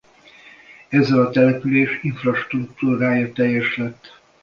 Ezzel a település infrastruktúrája teljes lett.